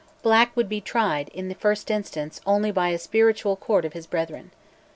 Black would be tried, in the first instance, only by a Spiritual Court of his brethren.